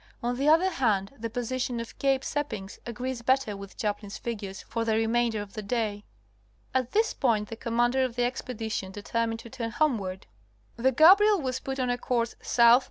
On the other hand the position off Cape Seppings agrees better with Chaplin's figures for the remainder of the day. At this point the commander of the expedition determined to turn homeward. The Gadriel was put on a course 8. by E.